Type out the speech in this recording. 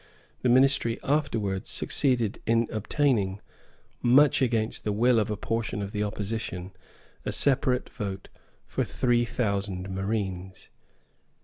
The ministry afterwards succeeded in obtaining, much against the will of a portion of the opposition, a separate vote for three thousand marines.